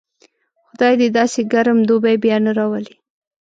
خدای دې داسې ګرم دوبی بیا نه راولي.